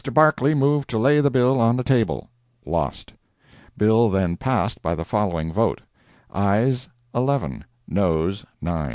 Barclay moved to lay the bill on the table. Lost. The bill then passed by the following vote: [ayes 11, noes 9].